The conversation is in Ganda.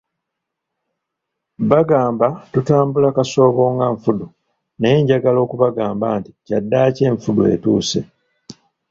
Bagamba tutambula kasoobo nga nfudu, naye njagala okubagamba nti kyaddaaki enfudu etuuse.